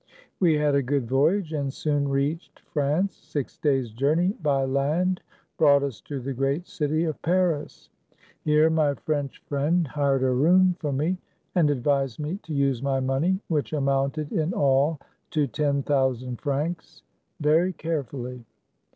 We had a good voyage, and soon reached France. Six days' journey by laud brought us to the great city of Paris. Here my French friend hired a room for me, and advised me to use my money, which amounted in all to ten thousand francs, very carefully.